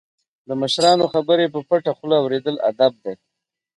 د مشرانو خبرې په پټه خوله اوریدل ادب دی.